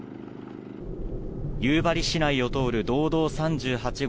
夕張市内を通る道道３８号。